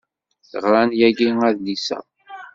Ɣran yagi adlis-a.